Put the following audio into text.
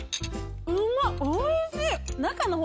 うまっおいしい！